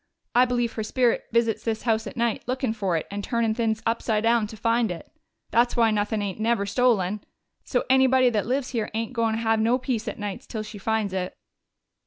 I believe her spirit visits this house at night, lookin' for it, and turnin' things upside down to find it. That's why nuthin' ain't never stolen. So anybody that lives here ain't goin' have no peace at nights till she finds it."